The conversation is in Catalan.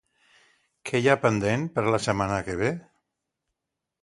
Què hi ha pendent per a la setmana que ve?